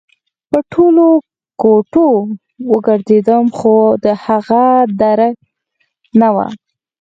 په ټولو کوټو وګرځېدم خو د هغه درک نه و